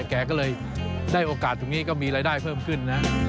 แกก็เลยได้โอกาสตรงนี้ก็มีรายได้เพิ่มขึ้นนะ